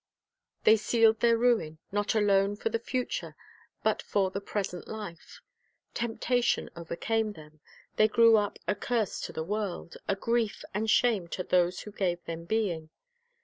They sealed their ruin, not alone for the future but for the present life. Temptation overcame them. They Matt. 2.) : i.|. a Mark 16 : 15. The Life Work 265 grew up a curse to the world, a grief and shame to those who gave them being.